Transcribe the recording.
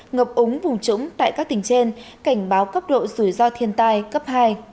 ngập úng vùng trũng tại các tỉnh trên cảnh báo cấp độ rủi ro thiên tai cấp hai